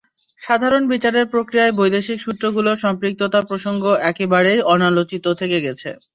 সাধারণ বিচারের প্রক্রিয়ায় বৈদেশিক সূত্রগুলোর সম্পৃক্ততা প্রসঙ্গ একেবারেই অনালোচিত থেকে গেছে।